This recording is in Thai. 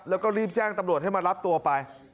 แล้วก็รีบแจ้งตำรวจให้มารับตัวไป